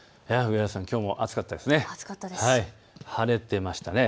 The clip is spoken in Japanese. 上原さん、きょうも暑かったですね。